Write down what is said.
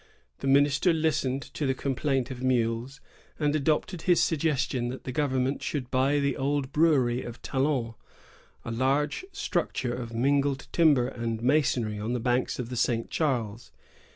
The minister listened to the com plaint of Meules, and adopted his suggestion that the government should buy the old brewery of Talon, — a large structure of mingled timber and masonry on the banks of the St. Charles.